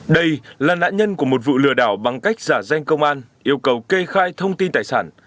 đây là nạn nhân của một vụ lừa đảo bằng cách giả danh công an yêu cầu kê khai thông tin tài sản